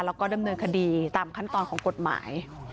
แล้วก็ดำเนินคดีตามขั้นตอนของกฎหมาย